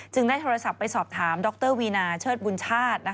ได้โทรศัพท์ไปสอบถามดรวีนาเชิดบุญชาติ